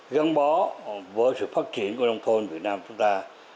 gắn bó với sự phát triển của nông thôn việt nam chúng ta